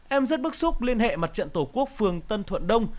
em rất bức xúc liên hệ mặt trận tổ quốc phường tân thuận đông